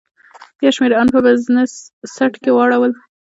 یو شمېر ان په بزنس سیټ کې واړول.